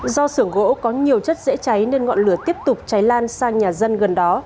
do xưởng gỗ có nhiều chất dễ cháy nên ngọn lửa tiếp tục cháy lan sang nhà dân gần đó